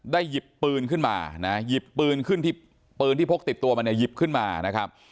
หยิบปืนขึ้นมานะหยิบปืนขึ้นที่ปืนที่พกติดตัวมาเนี่ยหยิบขึ้นมานะครับ